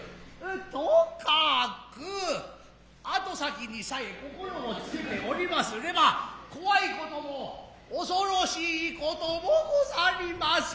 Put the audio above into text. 兎角後先にさえ心を付けて居りますれば怖い事も恐ろしい事もござりませぬ。